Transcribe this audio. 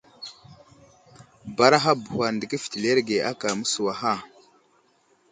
Baraha bəhwa nde kéfetileerege ákà mə́suwaha.